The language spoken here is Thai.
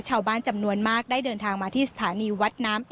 ชาวบ้านจำนวนมากได้เดินทางมาที่สถานีวัดน้ำ